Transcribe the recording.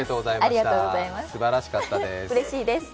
すばらしかったです。